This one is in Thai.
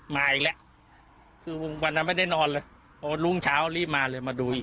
มาอีกแล้วคือวันนั้นไม่ได้นอนเลยพอรุ่งเช้ารีบมาเลยมาดูอีก